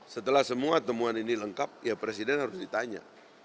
setelah semua temuan ini lengkap ya presiden harus ditanya